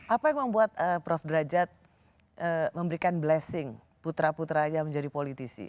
apa yang membuat prof derajat memberikan blessing putra putranya menjadi politisi